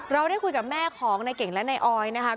เราได้คุยกับแม่ของในเก่งและในอออยด์นะครับ